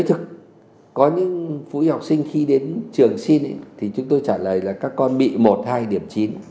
tuyển sinh khi đến trường xin thì chúng tôi trả lời là các con bị một hai điểm chín